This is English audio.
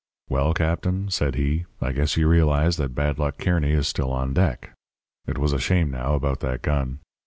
"'Well, Captain,' said he, 'I guess you realize that Bad Luck Kearny is still on deck. It was a shame, now, about that gun.